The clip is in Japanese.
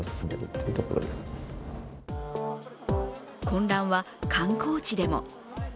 混乱は観光地でも。